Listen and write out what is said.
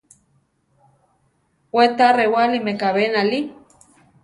We ta rewáli mekabé náli.